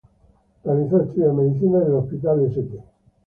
Realizó estudios de medicina en el Hospital St.